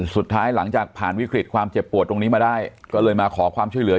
หลังจากผ่านวิกฤตความเจ็บปวดตรงนี้มาได้ก็เลยมาขอความช่วยเหลือ